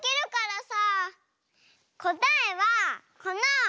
こたえはこの。